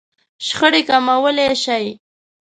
-شخړې کموالی شئ